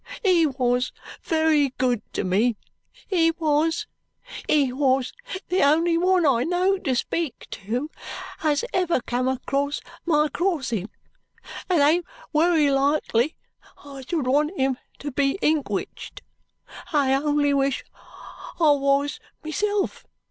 He wos wery good to me, he wos; he wos the only one I knowed to speak to, as ever come across my crossing. It ain't wery likely I should want him to be inkwhiched. I only wish I wos, myself.